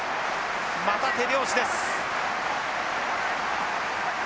また手拍子です。